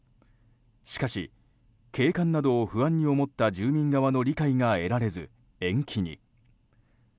しかし、景観などが問題となって住民側の理解が得られず延期に。